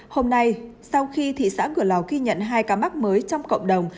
hôm nay sau khi thị xã cửa lò ghi nhận hai ca mắc mới trong cộng đồng